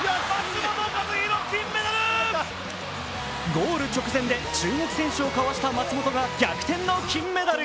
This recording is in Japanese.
ゴール直前で中国選手をかわした松元が逆転の金メダル。